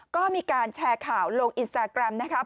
ก็มีการแชร์ข่าวลงอินสตาแกรมนะครับ